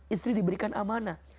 istri diberikan amanah